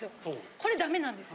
これダメなんです。